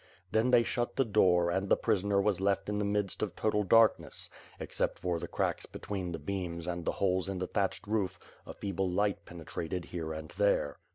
Then they shut the door and the prisoner was left in the midst of total darkness, except for the cracks between the beams and the holes in the thatched roof a feeble light penetrated here and there.